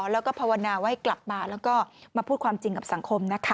แล้วก็ภาวนาว่าให้กลับมาแล้วก็มาพูดความจริงกับสังคมนะคะ